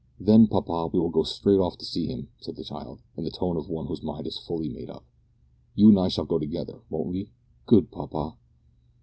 "Then, papa, we will go straight off to see him," said the child, in the tone of one whose mind is fully made up. "You and I shall go together won't we? good papa!"